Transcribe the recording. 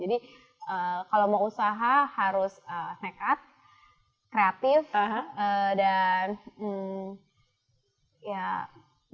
jadi kalau mau usaha harus nekat kreatif dan ya